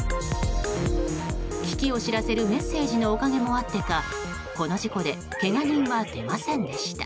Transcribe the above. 危機を知らせるメッセージのおかげもあってかこの事故でけが人は出ませんでした。